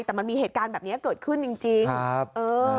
แต่มันมีเหตุการณ์แบบนี้เกิดขึ้นจริงจริงครับเออ